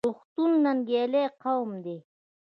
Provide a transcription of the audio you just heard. پښتون ننګیالی قوم دی.